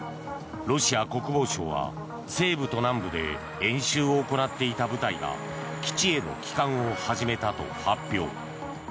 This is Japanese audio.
ロシア国防省は西部と南部で演習を行っていた部隊が基地への帰還を始めたと発表。